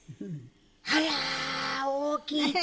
あらー大きい手！